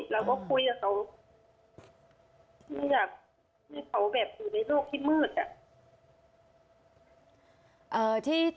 เราก็คุยกับเขาอยากให้เขาแบบอยู่ในโลกที่มืด